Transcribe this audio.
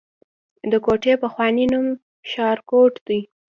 د کوټې پخوانی نوم شالکوټ دی